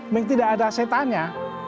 mungkin tidak ada setannya